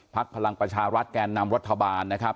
พลังประชารัฐแกนนำรัฐบาลนะครับ